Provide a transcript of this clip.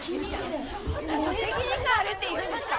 何の責任があるっていうんですか！？